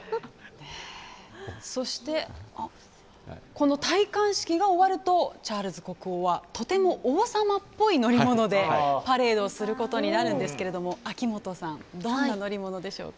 そして戴冠式が終わるとチャールズ国王はとても王様っぽい乗り物でパレードをすることになるんですけれども秋元さんどんな乗り物でしょうか。